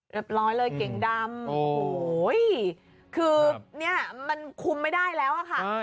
เรียบร้อยเลยเก่งดำโอ้โหคือเนี่ยมันคุมไม่ได้แล้วอะค่ะ